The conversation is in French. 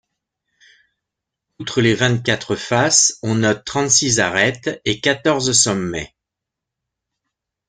Outre les vingt-quatre faces, on note trente-six arêtes et quatorze sommets.